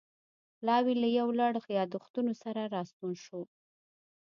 پلاوی له یو لړ یادښتونو سره راستون شو